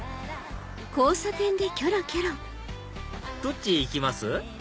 どっちへ行きます？